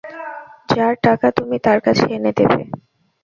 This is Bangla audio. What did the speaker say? যাঁর টাকা তুমি তাঁর কাছে এনে দেবে।